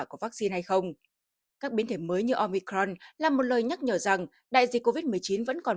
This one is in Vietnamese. của vaccine hay không các biến thể mới như omicron là một lời nhắc nhở rằng đại dịch covid một mươi chín vẫn còn